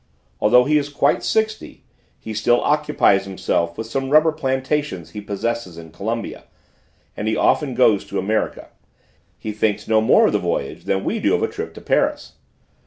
Although he is quite sixty he still occupies himself with some rubber plantations he possesses in Colombia, and he often goes to America: he thinks no more of the voyage than we do of a trip to Paris.